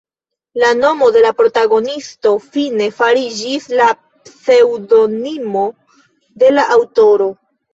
La nomo de la protagonisto fine fariĝis la pseŭdonimo de la aŭtoro.